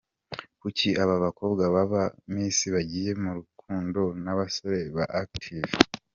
Kuki aba bakobwa b’aba Miss bagiye mu rukundo n’abasore ba Active? .